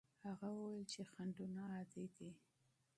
هغه وویل چې خنډونه عادي دي.